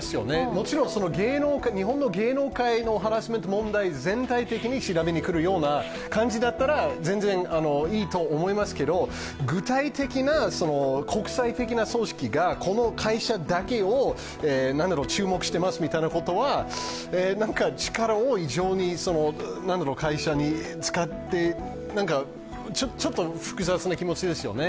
もちろん日本の芸能界のハラスメント問題、全体的に調べにくるような感じだったら全然いいと思いますけど具体的な国際的な組織がこの会社だけを注目していますみたいなのはなんか力を異常に会社に使ってちょっと複雑な気持ちですよね。